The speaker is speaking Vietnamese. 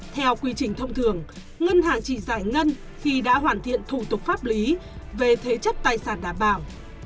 theo quy trình thông thường ngân hạn chỉ giải ngân khi đã hoàn thiện thủ tục pháp lý về thế chất tài sản đảm bảo